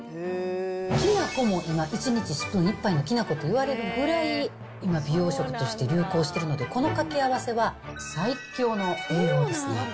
きな粉も、１日スプーン１杯のきな粉っていわれるぐらい、今、美容食として流行してるので、このかけ合わせは、最強の栄養ですね。